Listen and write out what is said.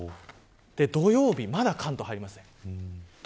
土曜日、まだ関東入りません。